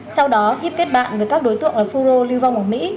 sau đó hip kết bạn với các đối tượng là phù rô lưu vong ở mỹ